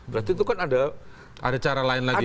berarti itu kan ada cara lain lagi